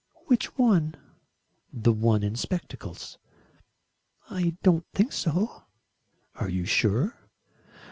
"Which one?" "The one in spectacles." "I don't think so." "Are you sure?"